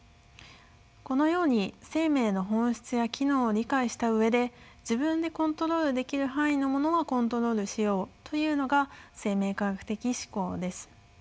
このように生命の本質や機能を理解した上で自分でコントロールできる範囲のものはコントロールしようというのが生命科学的思考です。